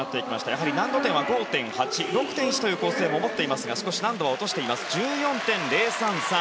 やはり難度点は５．８６．０という数字も持っていますが少し難度を落としています。１４．０３３。